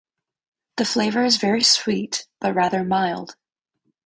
The flavor is very sweet but rather mild.